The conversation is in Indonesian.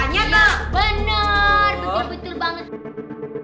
bener betul betul banget